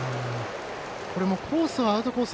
これもコースはアウトコース